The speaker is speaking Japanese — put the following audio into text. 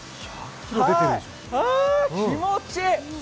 あ、気持ちいい。